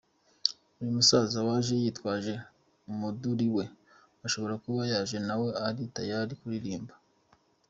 Uyu musaza waje yitwaje umuduri we, ashobora kuba yaje nawe ari tayali kuririmba.